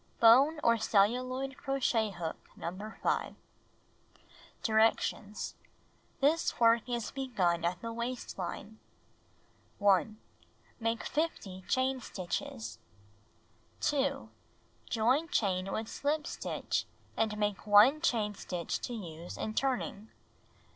Bone or celluloid crochet hook No. 5. Directions : This work is begun at the waist line. 1. Make 50 chain stitches. 2. Join chain with slijo stitch and make 1 chain stitch to use in turning.